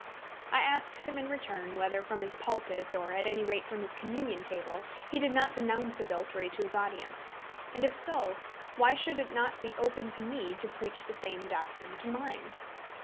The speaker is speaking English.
I asked him in return, whether from his pulpit, or at any rate from his communion table, he did not denounce adultery to his audience; and if so, why should it not be open to me to preach the same doctrine to mine.